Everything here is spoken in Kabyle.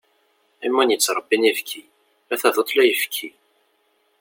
Am win yettrebbin ibki, la taduṭ la ayefki.